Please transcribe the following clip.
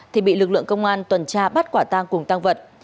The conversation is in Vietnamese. thì bị lực lượng công an tuần tra bắt quả tang cùng tăng vật